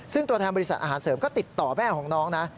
ซึ่งตัวแทนบริษัทอาหารเสริมก็ติดต่อแม่ของน้องนะ